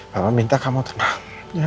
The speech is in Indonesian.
mama minta kamu tenang